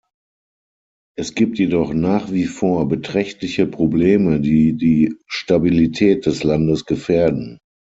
Es gibt jedoch nach wie vor beträchtliche Probleme, die die Stabilität des Landes gefährden.